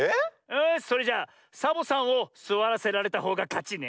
よしそれじゃサボさんをすわらせられたほうがかちね。